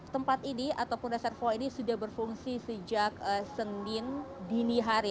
tempat ini ataupun reservoir ini sudah berfungsi sejak senin dini hari